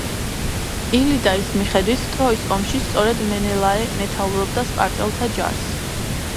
ილიადის მიხედვით ტროის ომში სწორედ მენელაე მეთაურობდა სპარტელთა ჯარს.